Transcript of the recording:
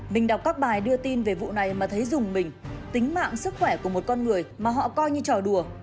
mình đọc các bài đưa tin về vụ này mà thấy rùng mình tính mạng sức khỏe của một con người mà họ coi như trò đùa